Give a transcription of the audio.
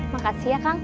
makasih ya kang